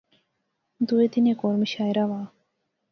دوہے دن ہیک ہور مشاعرہ واہ